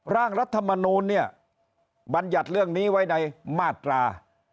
ร่างรัฐมนูลเนี่ยบรรยัติเรื่องนี้ไว้ในมาตรา